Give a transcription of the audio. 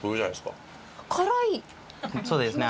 そうですね